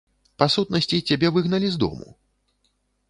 Па-сутнасці, цябе выгналі з дому?